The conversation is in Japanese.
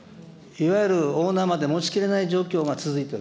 オーナーまでもちきれない状況が続いている。